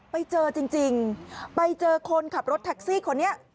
ไปเจอจริงไปเจอคนขับรถแท็กซี่คนนี้